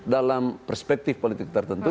dalam perspektif politik tertentu